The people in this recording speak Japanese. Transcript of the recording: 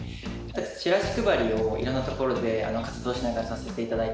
チラシ配りをいろんなところで活動しながらさせていただいて。